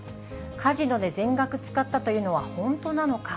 カジノで全額使ったというのは本当なのか。